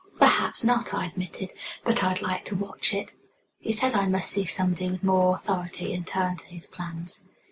"Perhaps not," I admitted. "But I'd like to watch it." He said I must see somebody with more authority, and turned to his plans.